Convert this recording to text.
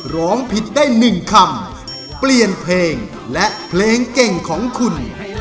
ร้องผิดได้๑คำเปลี่ยนเพลงและเพลงเก่งของคุณ